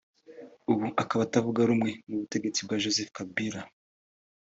ubu akaba atavuga rumwe n’ubutegetsi bwa Joseph Kabila